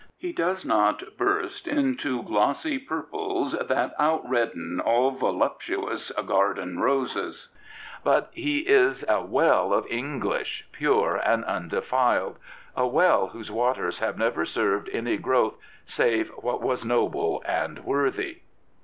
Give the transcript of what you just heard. He does not burst — Into glossy purples that outredden All voluptuous garden roses. But he is a well of English pure and undefiled — a well 153 Prophets, Priests, and Kings whose waters have never served any growth save what was noble and worthy.